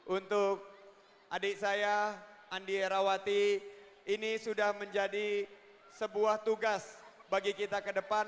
untuk adik saya andi rawati ini sudah menjadi sebuah tugas bagi kita kedepan